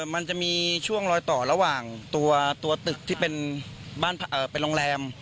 มันจะมีช่วงลอยต่อระหว่างตัวตึกที่เป็นโรงแรม